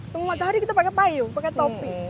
tunggu matahari kita pakai payung pakai topi